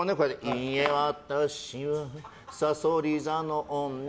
いいえ、私はさそり座の女。